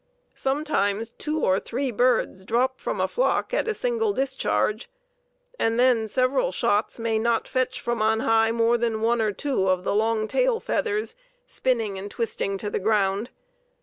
Sometimes two or three birds drop from a flock at a single discharge, and then several shots may not fetch from on high more than one or two of the long tail feathers spinning and twisting to the ground.